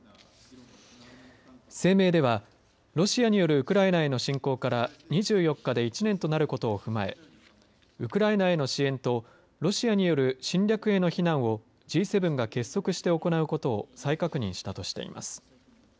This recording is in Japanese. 声明ではロシアによるウクライナへの侵攻から２４日で１年となることを踏まえウクライナへの支援とロシアによる侵略への非難をＧ７が結束して行うことを再確認したとしています。